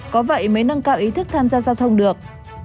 có vậy mới nâng cao ý thức tham gia giao thông được